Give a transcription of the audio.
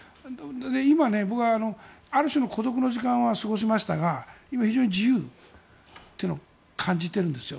今ね、僕はある種の孤独の時間は過ごしましたが今、非常に自由というのを感じているんですよ。